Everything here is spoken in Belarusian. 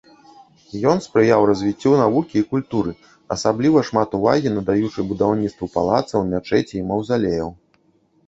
Ён спрыяў развіццю навукі і культуры, асабліва шмат увагі надаючы будаўніцтву палацаў, мячэцей, маўзалеяў.